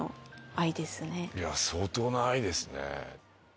相当な愛ですね。